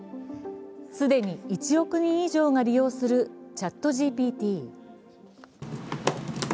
既に１億人以上が利用するＣｈａｔＧＰＴ。